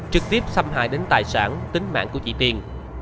trực tiếp xâm hại đến tài sản tính mạng của chị tiên